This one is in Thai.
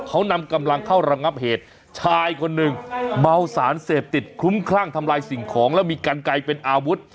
เขานำกำลังเข้าระงับเหตุชายคนหนึ่งเมาสารเสพติดคลุ้มคลั่งทำลายสิ่งของแล้วมีกันไกลเป็นอาวุธ